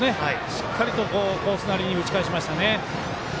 しっかりとコースなりに打ち返しました。